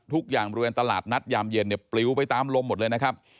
บริเวณตลาดนัดยามเย็นเนี่ยปลิวไปตามลมหมดเลยนะครับ